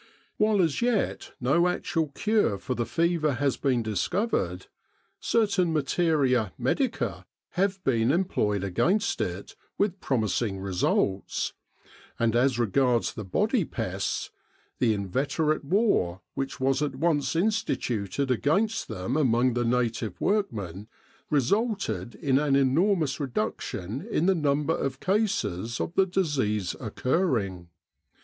While as yet no actual cure for the fever has been discovered, certain materia medica have been employed against it with promising 282 The Egyptian Labour Corps results ; and as regards the body pests, the inveterate war which was at once instituted against them among the native workmen resulted in an enormous reduction in the number of cases of the disease occurring.